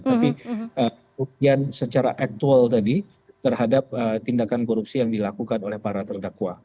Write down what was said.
tapi kemudian secara aktual tadi terhadap tindakan korupsi yang dilakukan oleh para terdakwa